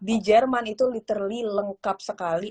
di jerman itu litterly lengkap sekali